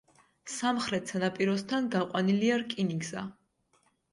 სამხრეთ სანაპიროსთან გაყვანილია რკინიგზა.